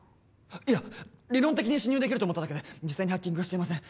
いや理論的に侵入できると思っただけで実際にハッキングはしていません